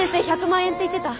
１００万円って言ってた。